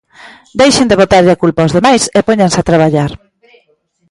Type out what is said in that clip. ¡Deixen de botarlles a culpa aos demais e póñanse a traballar!